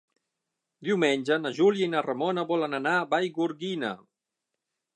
Diumenge na Júlia i na Ramona volen anar a Vallgorguina.